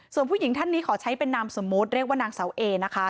ส่วนผู้หญิงท่านนี้ขอใช้เป็นนามสมมุติเรียกว่านางเสาเอนะคะ